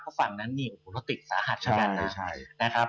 เพราะฝั่งนั้นนี่โอ้โหเราติดสหัสแล้วกันนะใช่ใช่นะครับ